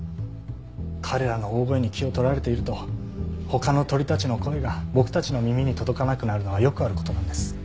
彼らの大声に気を取られていると他の鳥たちの声が僕たちの耳に届かなくなるのはよくある事なんです。